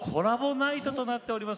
ナイトとなっております。